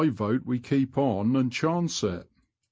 1 vote we keep on and chance it."